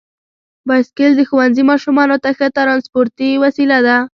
بایسکل د ښوونځي ماشومانو ته ښه ترانسپورتي وسیله ده.